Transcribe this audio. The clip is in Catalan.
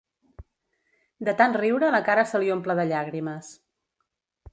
De tant riure la cara se li omple de llàgrimes.